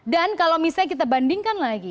dan kalau misalnya kita bandingkan lagi